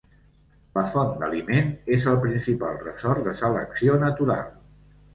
La font d'aliment és el principal ressort de selecció natural.